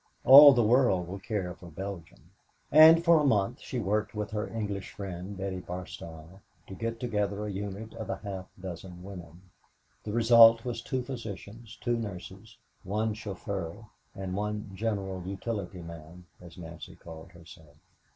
All the world will care for Belgium," and for a month she worked with her English friend, Betty Barstow, to get together a unit of a half dozen women. The result was two physicians, two nurses, one chauffeur and one "general utility man," as Nancy called herself.